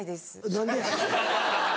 何でや？